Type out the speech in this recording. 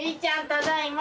ただいま。